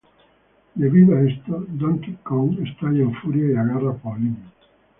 Debido a esto, Donkey Kong estalla en furia, y agarra a Pauline.